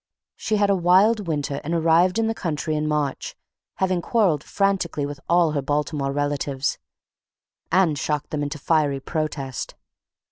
She had a wild winter and arrived in the country in March, having quarrelled frantically with all her Baltimore relatives, and shocked them into fiery protest.